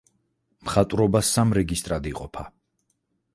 მხატვრობა სამ რეგისტრად იყოფა.